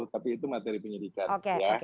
tapi itu materi penyidikan ya